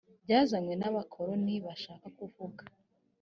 byazanywe n abakoloni bashaka kuvuga